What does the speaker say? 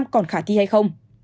còn khả thi hay không